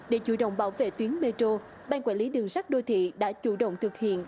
để chủ động bảo vệ tuyến metro bang quản lý đường sắt đô thị đã chủ động thực hiện